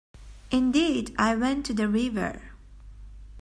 Indeed, I went to the river.